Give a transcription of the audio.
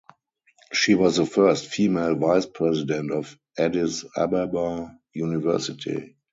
She was the first female Vice president of Addis Ababa University.